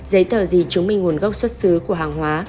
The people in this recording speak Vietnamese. giấy tờ gì chứng minh nguồn gốc xuất xứ của hàng hóa